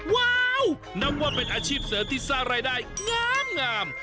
ว้าวนับว่าเป็นอาชีพเสริมที่สร้างรายได้งาม